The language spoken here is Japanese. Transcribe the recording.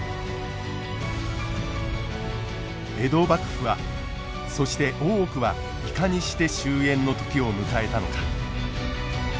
江戸幕府はそして大奥はいかにして終えんの時を迎えたのか。